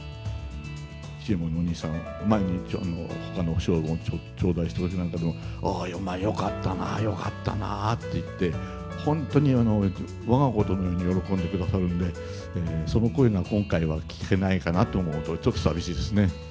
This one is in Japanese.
吉右衛門の兄さんは前にほかの賞を頂戴したときなんかも、おー、お前よかったなぁ、よかったなぁって言って、本当にわがことのように喜んでくださるんで、その声が今回は聞けないかなと思うと、ちょっと寂しいですね。